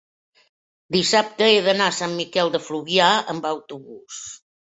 dissabte he d'anar a Sant Miquel de Fluvià amb autobús.